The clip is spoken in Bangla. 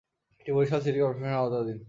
এটি বরিশাল সিটি কর্পোরেশনের আওতাধীন।